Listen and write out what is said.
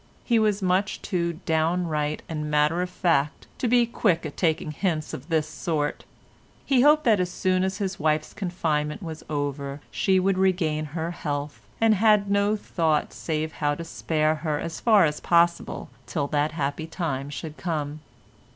He was much too downright and matter of fact to be quick at taking hints of this sort. He hoped that as soon as his wife's confinement was over she would regain her health and had no thought save how to spare her as far as possible till that happy time should come.